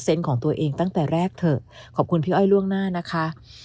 ของตัวเองตั้งแต่แรกเถอะขอบคุณพี่อ้อยล่วงหน้านะคะ